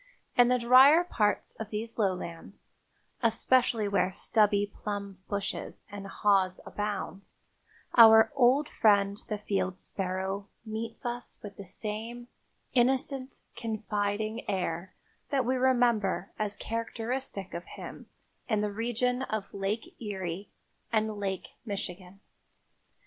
In the drier parts of these lowlands, especially where stubby plum bushes and haws abound, our old friend the field sparrow meets us with the same innocent, confiding air that we remember as characteristic of him in the region of Lake Erie and Lake Michigan.